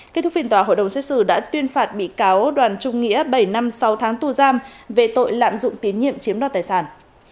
kết thúc phiên tòa hội đồng xét xử đã tuyên phạt bị cáo đoàn trung nghĩa bảy năm sau tháng tu giam về tội lạm dụng tiến nhiệm chiếm đoạt tài sản